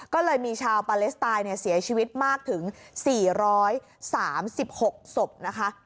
ก็เลยมีชาวปาเลสไตน์เสียชีวิตมากถึง๔๓๖ศพนะคะ